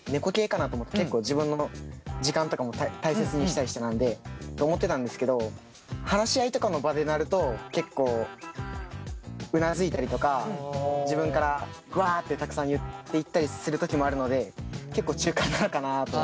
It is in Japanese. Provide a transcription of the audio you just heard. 自分の時間とかも大切にしたい人なんで。と思ってたんですけど話し合いとかの場でなると結構うなずいたりとか自分からわってたくさん言っていったりする時もあるので結構中間なのかなと。